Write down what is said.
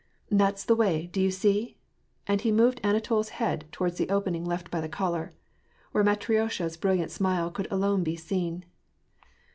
" That's the way, do you see ?" and he moved Anatol's head towards the opening left by the collar, where Matriosha's bril liant smile could alone be seen.